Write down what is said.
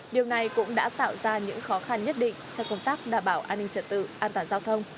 điều này cũng đã tạo ra những khó khăn nhất định cho công tác đảm bảo an ninh trật tự an toàn giao thông